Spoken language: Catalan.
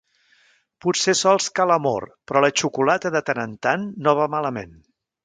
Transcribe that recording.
Potser sols cal amor, però la xocolata de tant en tant, no va malament.